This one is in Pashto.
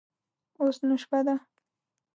اوس نو شپه ده.